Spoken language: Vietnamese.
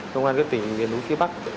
công an cơ tỉnh miền núi phía bắc